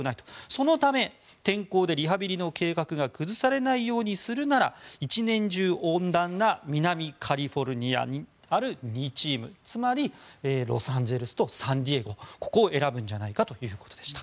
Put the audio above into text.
そのため天候でリハビリの計画が崩されないようにするなら一年中温暖な南カリフォルニアにある２チームつまり、ロサンゼルスとサンディエゴここを選ぶんじゃないかということでした。